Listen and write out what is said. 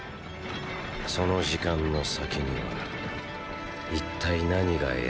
その時間の先には一体何が得られるのだろうか。